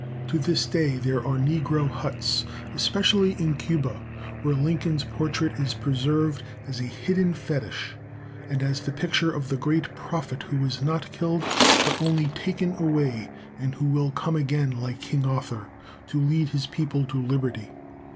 To this day there are negro huts, especially in Cuba, where Lincoln's portrait is preserved as a hidden fetish, and as the picture of the Great Prophet who was not killed, but only taken away, and who will come again, like King Arthur, to lead his people to liberty.